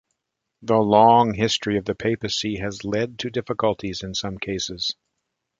The long history of the Papacy has led to difficulties in some cases.